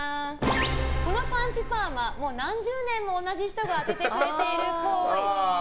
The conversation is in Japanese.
そのパンチパーマもう何十年も同じ人が当ててくれてるっぽい。